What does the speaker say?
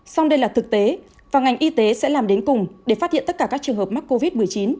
song đây là thực tế và ngành y tế sẽ làm đến cùng để phát hiện tất cả các trường hợp mắc covid một mươi chín